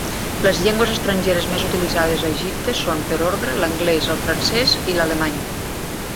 Les llengües estrangeres més utilitzades a Egipte són, per ordre, l'anglès, el francès i l'alemany.